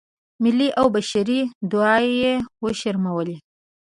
ملي او بشري داعیې یې وشرمولې.